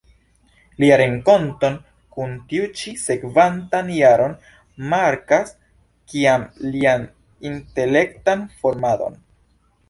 Lia renkonto kun tiu ĉi sekvantan jaron markas tiam lian intelektan formadon.